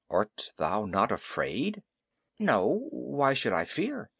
Art thou not afraid?" "No. Why should I fear?